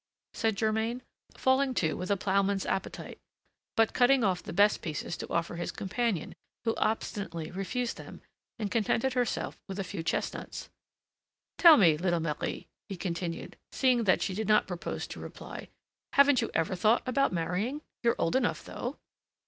said Germain, falling to with a ploughman's appetite, but cutting off the best pieces to offer his companion, who obstinately refused them, and contented herself with a few chestnuts. "Tell me, little Marie," he continued, seeing that she did not propose to reply, "haven't you ever thought about marrying? you're old enough, though!"